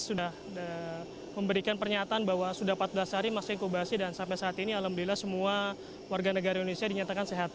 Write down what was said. sudah memberikan pernyataan bahwa sudah empat belas hari masih inkubasi dan sampai saat ini alhamdulillah semua warga negara indonesia dinyatakan sehat